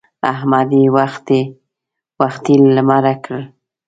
احمد يې وختي له لمره کړ.